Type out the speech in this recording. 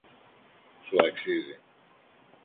Σου αξίζει!